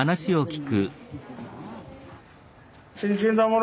新鮮だもの